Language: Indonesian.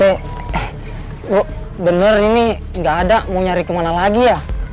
eh loh bener ini gak ada mau nyari ke mana lagi ya